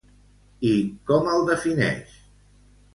I com el defineix?